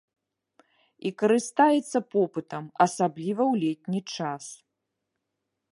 І карыстаецца попытам, асабліва ў летні час.